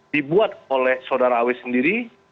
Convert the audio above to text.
dibuat oleh saudara aw sendiri